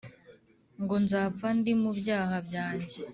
ngo nzapfa ndimubyaha byanjye